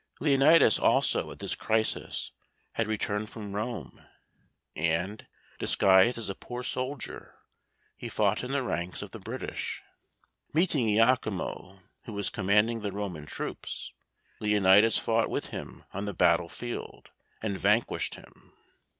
Leonatus also at this crisis had returned from Rome, and, disguised as a poor soldier, he fought in the ranks of the British. Meeting Iachimo, who was commanding the Roman troops, Leonatus fought with him on the battle field and vanquished him.